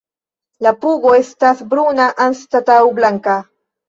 La pugo estas bruna anstataŭ blanka.